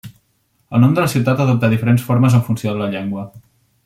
El nom de la ciutat adopta diferents formes en funció de la llengua.